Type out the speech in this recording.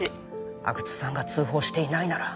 阿久津さんが通報していないなら